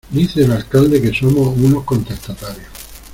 Dice el alcalde que somos unos contestatarios.